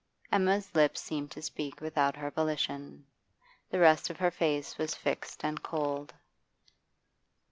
Emma's lips seemed to speak without her volition. The rest o her face was fixed and cold.